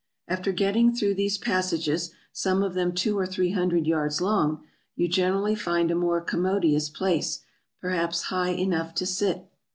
After getting through these passages, some of them two or three hundred yards long, you gen erally find a more commodious place, perhaps high enougn to sit.